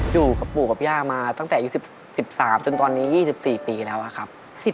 อยู่กับปู่กับย่ามาตั้งแต่อายุ๑๓จนตอนนี้๒๔ปีแล้วครับ